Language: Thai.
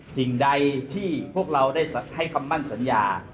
สิ่งใดที่พวกเราได้ให้คำมั่นสัญญา